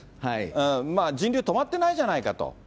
人流止まってないじゃないかと。